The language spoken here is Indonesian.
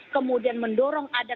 kemudian mendorong ada